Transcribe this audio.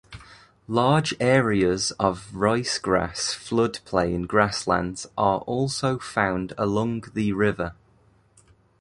Large areas of rice-grass floodplain grasslands are also found along the river.